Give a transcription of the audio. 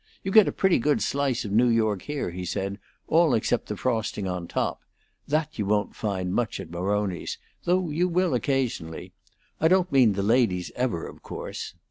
"You get a pretty good slice of New York here," he said, "all except the frosting on top. That you won't find much at Maroni's, though you will occasionally. I don't mean the ladies ever, of course."